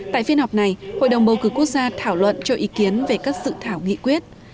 tại phiên họp này hội đồng bầu cử quốc gia thảo luận cho ý kiến về các sự thảo nghị quyết